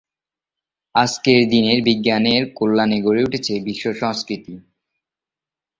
আজকের দিনে বিজ্ঞানের কল্যাণে গড়ে উঠেছে বিশ্ব সংস্কৃতি।